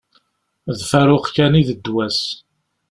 D faruq kan i d ddwa-s.